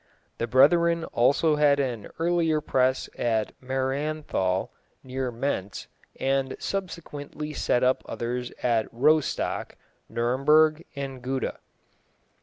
The Brethren also had an earlier press at Marienthal, near Mentz, and subsequently set up others at Rostock, Nuremberg, and Gouda.